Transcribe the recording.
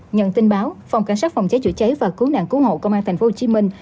nhận tin báo phòng cảnh sát phòng cháy chữa cháy và cứu nạn cứu hộ công an thành phố hồ chí minh